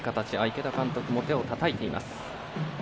池田監督も手をたたいています。